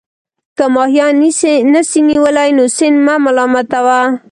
که ماهيان نسې نيولى، نو سيند مه ملامت وه.